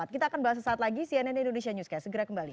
kita akan bahas sesaat lagi cnn indonesia newscast segera kembali